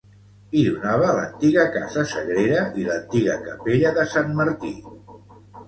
Hi donava l'antiga Casa Sagrera i l'antiga Capella de Sant Martí.